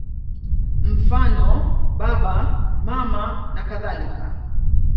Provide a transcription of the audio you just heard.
Mfano: Baba, Mama nakadhalika.